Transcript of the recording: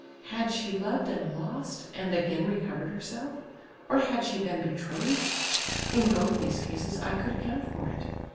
Had she loved and lost, and again recovered herself, or had she been betrothed, — in both these cases I could account for it."